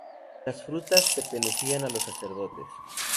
Las frutas pertenecían a los Sacerdotes.